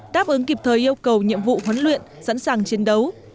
đáp ứng kịp thời yêu cầu nhiệm vụ huấn luyện sẵn sàng chiến đấu